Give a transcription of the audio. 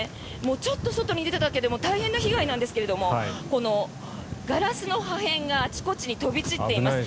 ちょっと外に出ただけでも大変な被害なんですがガラスの破片があちこちに飛び散っています。